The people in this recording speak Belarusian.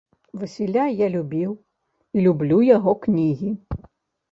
Васіля я любіў і люблю яго кнігі.